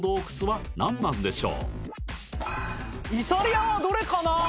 イタリアはどれかな？